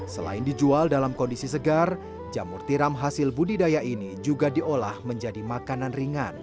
selain dijual dalam kondisi segar jamur tiram hasil budidaya ini juga diolah menjadi makanan ringan